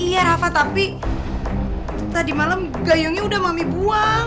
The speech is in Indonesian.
iya rafa tapi tadi malam gayungnya udah mami buang